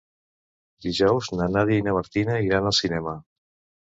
Dijous na Nàdia i na Martina iran al cinema.